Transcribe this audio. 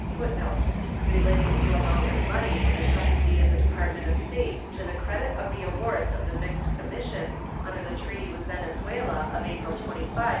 [Footnote 105: Relating to amount of money in the custody of the Department of State to the credit of the awards of the mixed commission under the treaty with Venezuela of April 25, 1866.